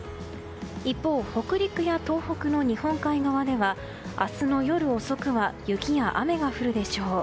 一方、北陸や東北の日本海側では明日の夜遅くは雪や雨が降るでしょう。